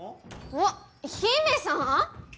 あっ姫さん